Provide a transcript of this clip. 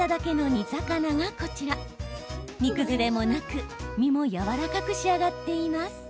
煮崩れもなく、身もやわらかく仕上がっています。